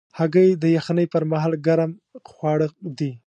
هګۍ د یخنۍ پر مهال ګرم خواړه دي.